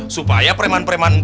supaya preman preman itu ya bisa